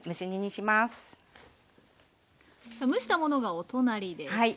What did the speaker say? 蒸したものがお隣です。